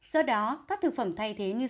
do đó các thực phẩm thay thế như